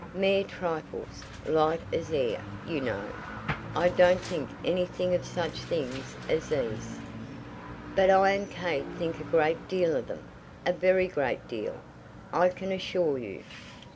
Mere trifles; light as air, you know. I don't think anything of such things as these." "But I and Kate think a great deal of them, a very great deal, I can assure you.